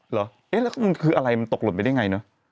เหรอเอ๊ะแล้วมันคืออะไรมันตกหล่นไปได้ไงเนอะ